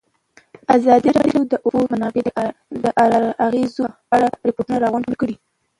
ازادي راډیو د د اوبو منابع د اغېزو په اړه ریپوټونه راغونډ کړي.